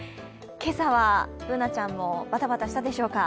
今朝はＢｏｏｎａちゃんもバタバタしたでしょうか。